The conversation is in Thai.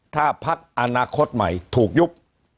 ถ้าพักอนาคตใหม่ถูกยุบ